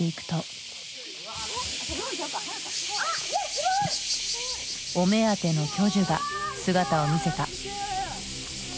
すごい！お目当ての巨樹が姿を見せた。